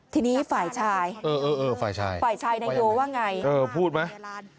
ที่นี้ฝ่ายชายฝ่ายชายนายโยว่าอย่างไรพูดไหม